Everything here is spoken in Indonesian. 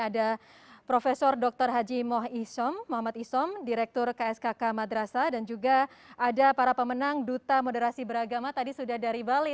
ada prof dr haji moh isom muhammad isom direktur kskk madrasa dan juga ada para pemenang duta moderasi beragama tadi sudah dari bali